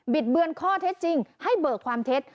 ดเบือนข้อเท็จจริงให้เบิกความเท็จ